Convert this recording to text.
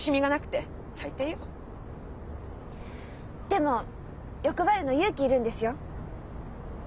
でも欲張るの勇気いるんですよ。